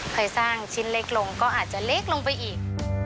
เคยสร้างชิ้นเล็กลงก็อาจจะเล็กลงไปอีก